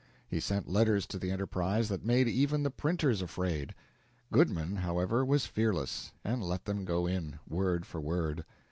He sent letters to the "Enterprise" that made even the printers afraid. Goodman, however, was fearless, and let them go in, word for word.